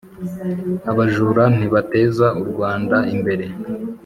abajura ntibateza u Rwanda imbere.